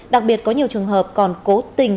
đặc biệt có nhiều trường hợp còn cố tình